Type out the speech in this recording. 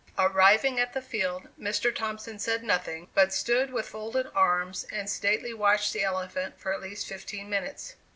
Arriving at the field, Mr. Thompson said nothing, but stood with folded arms and sedately watched the elephant for at least fifteen minutes.